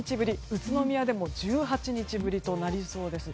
宇都宮でも１８日ぶりとなりそうです。